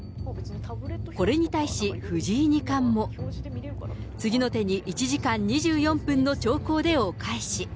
これに対し藤井二冠も、次の手に１時間２４分の長考でお返し。